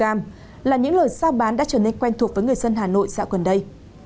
đây là những lời sao bán đã trở nên quen thuộc với người dân hà nội dạo gần đây